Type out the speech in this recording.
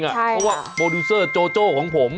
เพราะว่าโปรดิวเซอร์โจโจ้ของผม